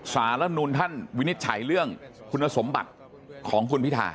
สารรัฐนูลท่านวินิจฉัยเรื่องคุณสมบัติของคุณพิธา